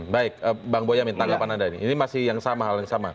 baik bang boya minta tanggapan anda ini ini masih hal yang sama